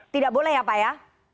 tidak boleh ya pak ya